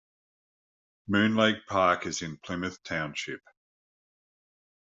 Moon Lake Park is in Plymouth Township.